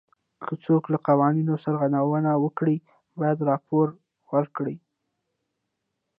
که څوک له قوانینو سرغړونه وکړي باید راپور ورکړي.